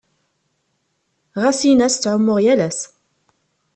Ɣas in-as ttεummuɣ yal ass.